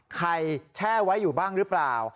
แช่ไว้อยู่บ้างหรือเปล่า